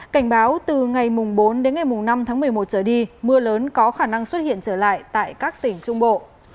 cảnh báo từ ngày bốn đến ngày năm tháng một mươi một trở đi mưa lớn có khả năng xuất hiện trở lại tại các tỉnh trung bộ